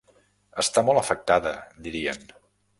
Està molt afectada, dirien.